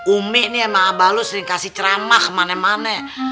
umi nih sama abalo sering kasih ceramah kemana mana